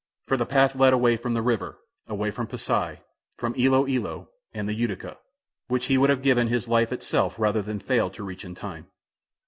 For the path led away from the river, away from Pasi, from Ilo Ilo and the Utica, which he would have given his life itself rather than fail to reach in time.